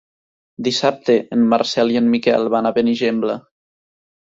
Dissabte en Marcel i en Miquel van a Benigembla.